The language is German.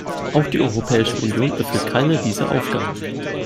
Auch die Europäische Union erfüllt keine dieser Aufgaben.